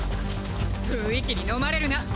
雰囲気に呑まれるな！